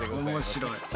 面白い。